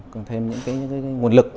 còn thêm những nguồn lực